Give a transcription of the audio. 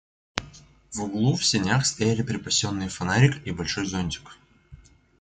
В углу в сенях стояли припасенные фонарик и большой зонтик.